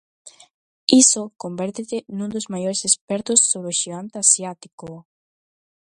Iso convértete nun dos maiores expertos sobre o xigante asiático...